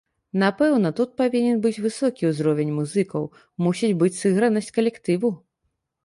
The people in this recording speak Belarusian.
Напэўна, тут павінен быць высокі ўзровень музыкаў, мусіць быць сыгранасць калектыву.